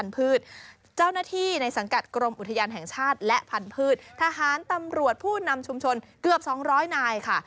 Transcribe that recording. และพันธุ์พืชเจ้าหน้าที่ในสังกัดกรมอุทยานแห่งชาติและพันธุ์พืชทหารตำรวจผู้นำชุมชนเกือบสองร้อยนายค่ะ